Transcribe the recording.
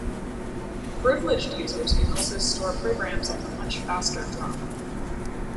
Privileged users can also store programs on the much-faster drum.